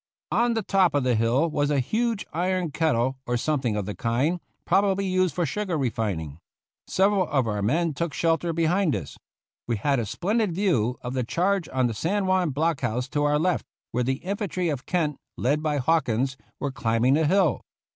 On the top of the hill was a huge iron kettle, or something of the kind, probably used for sugar refining. Several of our men took shelter behind this. We had a splendid view of the charge on the San Juan block house to our left, where the infantry of Kent, led by Hawkins, were climbing the hill.